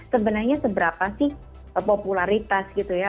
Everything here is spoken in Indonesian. sebenarnya seberapa sih popularitas gitu ya